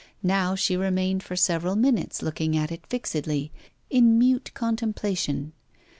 Now she remained for several minutes looking at it fixedly, in mute contemplation.